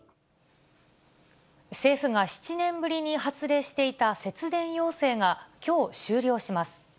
政府が７年ぶりに発令していた節電要請が、きょう、終了します。